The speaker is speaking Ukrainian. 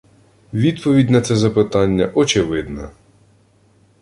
Відповідь на це запитання очевидна